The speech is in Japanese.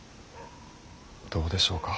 どうでしょうか。